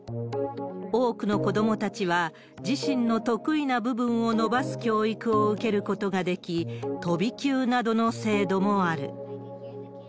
多くの子どもたちは、自身の得意な部分を伸ばす教育を受けることができ、飛び級などの制度もある。